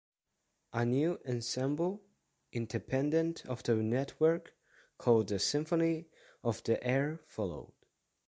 A new ensemble, independent of the network, called the "'Symphony of the Air'" followed.